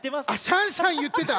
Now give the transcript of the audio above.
「シャンシャン」いってた。